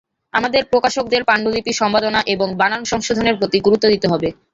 আমাদের প্রকাশকদের পাণ্ডুলিপি সম্পাদনা এবং বানান সংশোধনের প্রতি গুরুত্ব দিতে হবে।